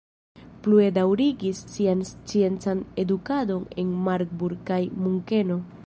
Plue daŭrigis sian sciencan edukadon en Marburg kaj Munkeno.